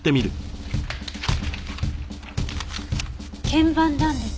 腱板断裂。